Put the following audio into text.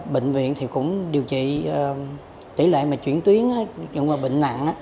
bệnh viện cũng điều trị tỷ lệ chuyển tuyến dụng vào bệnh nặng